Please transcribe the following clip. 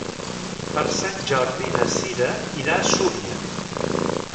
Per Sant Jordi na Cira irà a Súria.